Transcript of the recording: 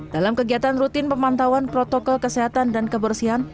dalam kegiatan rutin pemantauan protokol kesehatan dan kebersihan